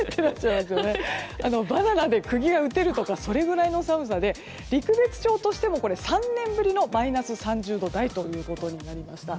バナナで釘が打てるとかそれぐらいの寒さで陸別町としても３年ぶりのマイナス３０度台ということになりました。